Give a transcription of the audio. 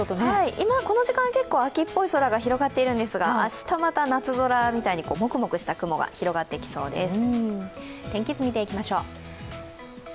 今、この時間結構秋っぽい空が広がっているんですが、明日、また夏空みたいに、もくもくした雲が広がってきそうです。